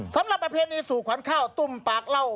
สำหรับประเภทนี้สู่ขวานข้าวตุ้มปากเหล้า